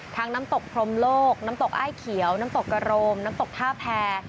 น้ำตกพรมโลกน้ำตกอ้ายเขียวน้ำตกกระโรมน้ำตกท่าแพร